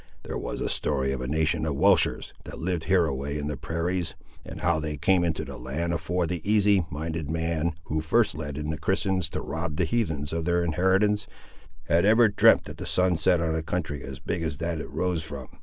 There was a story of a nation of Welshers, that liv'd hereaway in the prairies, and how they came into the land afore the uneasy minded man, who first let in the Christians to rob the heathens of their inheritance, had ever dreamt that the sun set on a country as big as that it rose from.